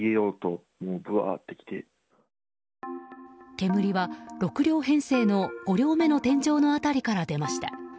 煙は６両編成の５両目の天井の辺りから出ました。